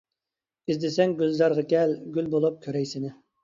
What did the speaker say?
ئىزدىسەڭ گۈلزارغا كەل، گۈل بولۇپ كۆرەي سېنى.